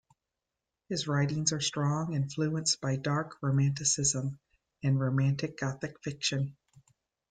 His writings are strong influenced by Dark Romanticism and Romantic gothic fiction.